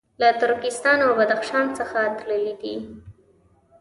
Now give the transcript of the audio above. له ترکستان او بدخشان څخه تللي دي.